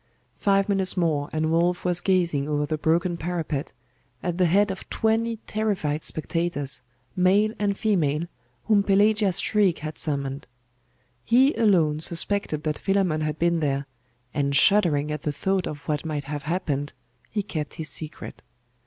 Five minutes more, and Wulf was gazing over the broken parapet, at the head of twenty terrified spectators, male and female, whom Pelagia's shriek had summoned. He alone suspected that Philammon had been there; and shuddering at the thought of what might have happened, he kept his secret.